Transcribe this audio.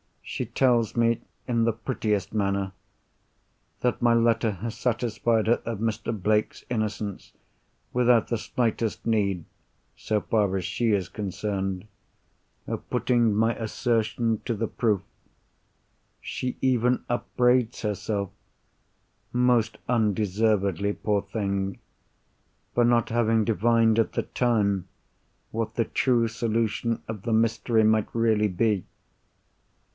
She tells me, in the prettiest manner, that my letter has satisfied her of Mr. Blake's innocence, without the slightest need (so far as she is concerned) of putting my assertion to the proof. She even upbraids herself—most undeservedly, poor thing!—for not having divined at the time what the true solution of the mystery might really be.